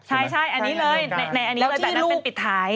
ใช่อันนี้เลยในอันนี้เลยแบบนั้นเป็นปิดท้าย